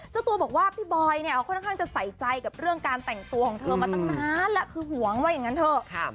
เจ้าตัวบอกว่าพี่บอยเนี่ยเขาค่อนข้างจะใส่ใจกับเรื่องการแต่งตัวของเธอมาตั้งนานแล้วคือห่วงว่าอย่างนั้นเถอะ